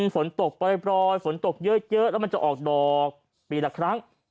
ฝนตกปล่อยฝนตกเยอะแล้วมันจะออกดอกปีละครั้ง